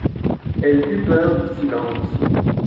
Elle eut peur du silence.